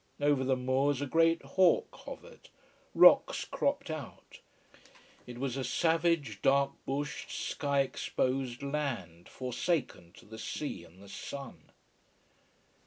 Over the moors a great hawk hovered. Rocks cropped out. It was a savage, dark bushed, sky exposed land, forsaken to the sea and the sun.